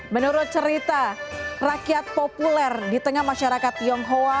menurut cerita rakyat populer di tengah masyarakat tionghoa